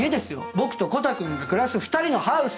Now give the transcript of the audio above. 僕とコタくんが暮らす２人のハウス！